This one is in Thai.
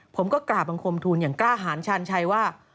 ผมก็กราบบังคมทูลอย่างกล้าหารชาญชัยว่า